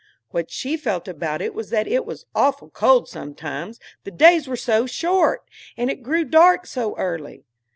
What she felt about it was that it was "awful cold, sometimes; the days were so short! and it grew dark so early!"